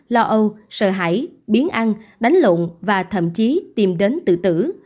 lo âu sợ hãi biến ăn đánh lộn và thậm chí tìm đến tự tử